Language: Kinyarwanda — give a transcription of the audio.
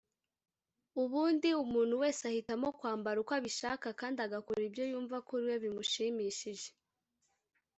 ubundi umuntu wese ahitamo kwambara uko abishaka kandi agakora ibyo yumva kuri we bimushimishije